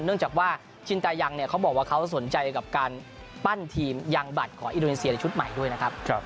เนื่องจากว่าชินตายังเนี่ยเขาบอกว่าเขาสนใจกับการปั้นทีมยังบัตรของอินโดนีเซียในชุดใหม่ด้วยนะครับ